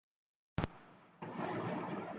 আগস্টে বেশি প্রবাহ থাকে।